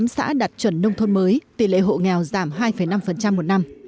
tám mươi tám xã đạt chuẩn nông thôn mới tỷ lệ hộ nghèo giảm hai năm một năm